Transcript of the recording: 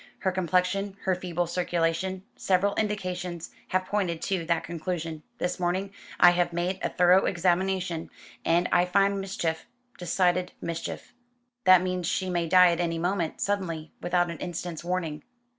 Her complexion, her feeble circulation, several indications have pointed to that conclusion. This morning I have made a thorough examination, and I find mischief, decided mischief." "That means she may die at any moment, suddenly, without an instant's warning."